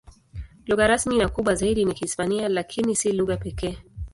Lugha rasmi na kubwa zaidi ni Kihispania, lakini si lugha pekee.